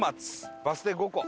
バス停５個。